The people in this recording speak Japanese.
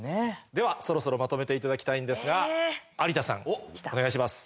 ではそろそろまとめていただきたいんですが有田さんお願いします。